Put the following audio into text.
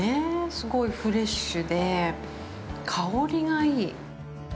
すごいフレッシュで、香りがいい！